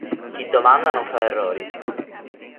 Chi domanda non fa errori.